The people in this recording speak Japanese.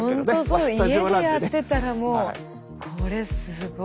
家でやってたらもうこれすごいな。